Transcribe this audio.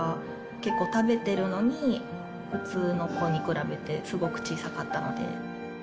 結構食べてるのに、普通の子に比べてすごく小さかったので。